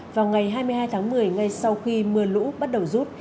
vào ngày hai mươi hai tháng một mươi ngay sau khi mưa lũ bắt đầu rút